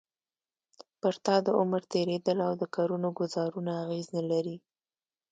پر تا د عمر تېرېدل او د کلونو ګوزارونه اغېز نه لري.